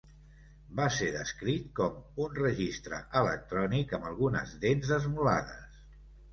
Va ser descrit com un "registre electrònic amb algunes dents esmolades".